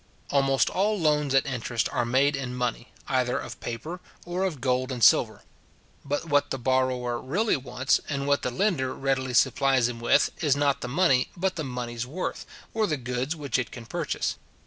Almost all loans at interest are made in money, either of paper, or of gold and silver; but what the borrower really wants, and what the lender readily supplies him with, is not the money, but the money's worth, or the goods which it can purchase.